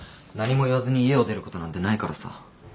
何も言わずに家を出ることなんてないからさ。